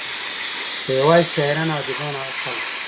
خو يوازې شاعران او اديبان هغه خلق دي